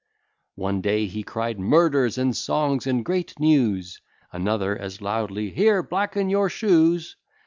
One day he cried "Murders, and songs, and great news!" Another as loudly "Here blacken your shoes!"